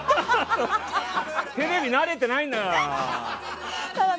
テレビ慣れてないんだから。